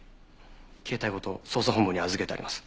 携帯ごと捜査本部に預けてあります。